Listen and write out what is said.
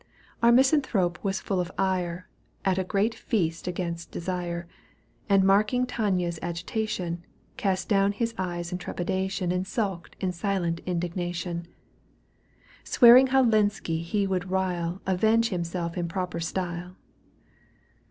Our misanthrope was full of ire. At a great feast £igainst desire, ^ And marking Tania's agitation, Cast down his eyes in trepidation And sulked in silent indignation ; Swearing how Lenski he would rile, Avenge himself in proper style.